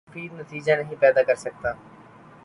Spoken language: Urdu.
مفید نتیجہ نہیں پیدا کر سکتا